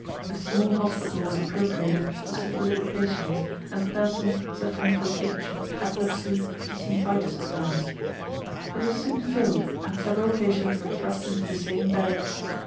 A small hospital was appropriated to syphilitic patients, and persons suffering from itch, epilepsy, and St. Vitus's dance. It was soon filled, and several patients were thrust into the same bed.